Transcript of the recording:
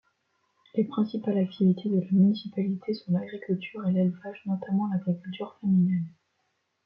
Les principales activités de la municipalité sont l'agriculture et l'élevage, notamment l'agriculture familiale.